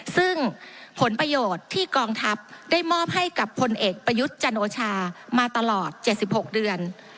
ซึ่งผลประโยชน์ที่กองทัพได้มอบให้กับพลเอกประยุทธ์จันโอชามาตลอด๗๖เดือน